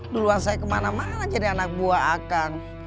duluan saya kemana mana jadi anak buah akan